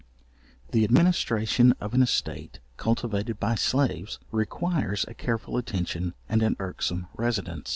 The administration of an estate, cultivated by slaves, requires a careful attention, and an irksome residence.